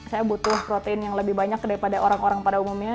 saya butuh protein yang lebih banyak daripada orang orang pada umumnya